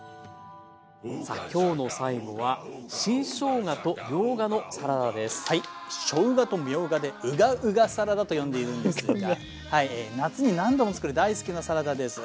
さあ今日の最後はしょうがとみょうがでうがうがサラダと呼んでいるんですが夏に何度も作る大好きなサラダです。